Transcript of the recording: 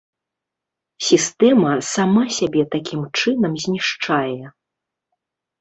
Сістэма сама сябе такім чынам знішчае.